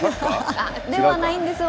ではないんですよ。